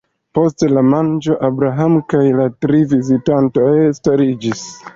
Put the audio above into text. Post la manĝo, Abraham kaj la tri vizitantoj stariĝis.